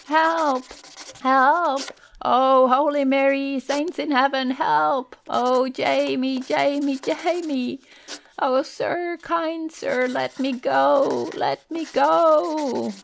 "Help! Help! O Holy Mary! Saints in Heaven! Help! O Jamie, Jamie, Jamie! O sir! Kind sir! let me go! Let me go!"